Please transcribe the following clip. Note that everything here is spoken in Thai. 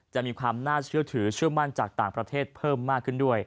จะมีความน่าเชื่อถือเชื่อมั่นจากต่างประเทศเพิ่มมากขึ้นด้วย